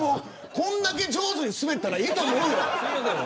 こんだけ上手にスベったらいいと思うわ。